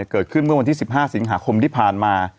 เกิดขึ้นเมื่อวันที่๑๕สิงหาคมที่ผ่านมา